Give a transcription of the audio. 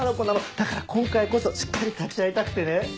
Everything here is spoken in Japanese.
だから今回こそしっかり立ち会いたくてね。